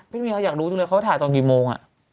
ไม่มีอะไรแต่อยากดูเลยเขาหาถ่ายตอนกี่โมง